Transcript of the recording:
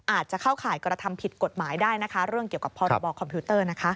อาจจะเข้าข่ายกระทำผิดกฎหมายได้นะคะเรื่องเกี่ยวกับพรบคอมพิวเตอร์